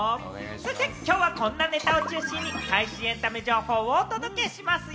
きょうはこんなネタを中心に最新エンタメ情報をお届けしますよ。